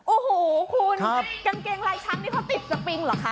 โอ้โหคุณกางเกงลายช้างนี่เขาติดสปริงเหรอคะ